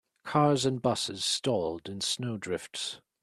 Cars and busses stalled in snow drifts.